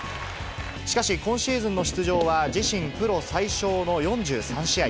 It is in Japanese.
しかし、今シーズンの出場は自身プロ最少の４３試合。